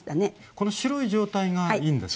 この白い状態がいいんですか？